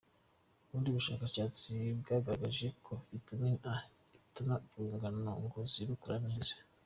Ubundi bushakashatsi byagaragaje ko Vitamini A ituma urwungano ngogozi rukora neza.